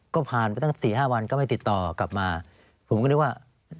ก็ผ่านไปตั้ง๔๕วันก็ไม่ติดต่อกลับมาผมก็นึกว่า